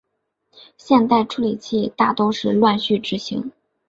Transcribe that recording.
现代处理器大都是乱序执行。